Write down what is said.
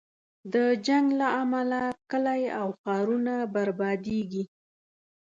د جنګ له امله کلی او ښارونه بربادېږي.